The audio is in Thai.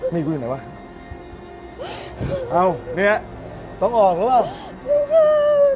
มีคุยอยู่ไหนวะเอ้าเนี่ยต้องออกหรือเปล่า